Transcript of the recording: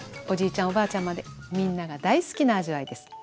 おばあちゃんまでみんなが大好きな味わいです。